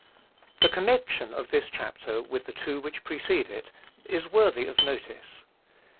The connection of this chapter with the two which precede it is worthy of notice.